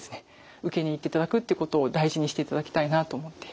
受けに行っていただくってことを大事にしていただきたいなと思っています。